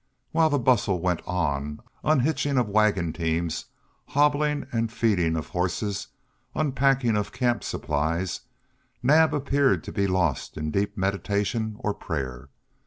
While the bustle went on, unhitching of wagon teams, hobbling and feeding of horses, unpacking of camp supplies, Naab appeared to be lost in deep meditation or prayer.